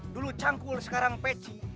dulu canggul sekarang peci